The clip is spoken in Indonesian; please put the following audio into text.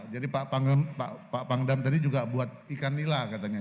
jadi pak pangdam tadi juga buat ikan nila katanya